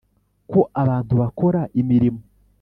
ko abantu bakora imirimo